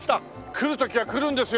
来る時は来るんですよ